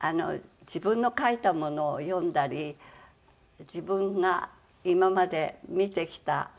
自分の書いたものを読んだり自分が今まで見てきた